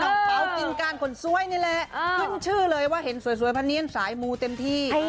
กระเป๋ากินการคนสวยนี่แหละขึ้นชื่อเลยว่าเห็นสวยพะเนียนสายมูเต็มที่